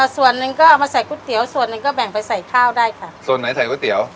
ส่วนหนึ่งก็เอามาใส่ก๋วยเตี๋ยวส่วนหนึ่งก็แบ่งไปใส่ข้าวได้ค่ะส่วนไหนใส่ก๋วยเตี๋ยว